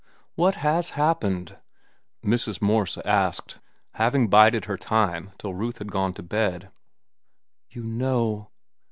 "What has happened?" Mrs. Morse asked, having bided her time till Ruth had gone to bed. "You know?"